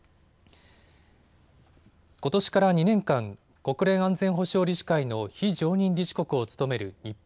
ことしから２年間国連安全保障理事会の非常任理事国を務める日本。